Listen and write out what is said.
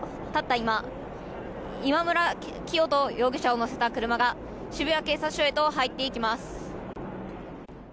今今村磨人容疑者を乗せた車が渋谷警察署へと入っていきます。